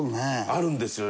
あるんですよ。